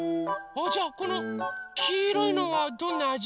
あじゃあこのきいろいのはどんなあじ？